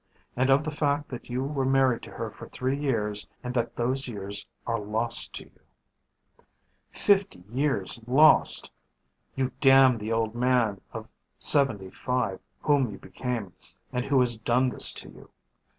And of the fact that you were married to her for three years and that those years are lost to you. Fifty years lost. You damn the old man of seventy five whom you became and who has done this to you